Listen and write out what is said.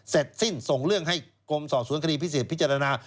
เสร็จสิ้นส่งเรื่องให้กรมสอบสวนคดีพิเศษพิจารณา